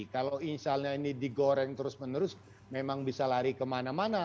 kalau misalnya ini digoreng terus menerus memang bisa lari kemana mana